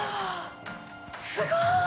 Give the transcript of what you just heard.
すごい！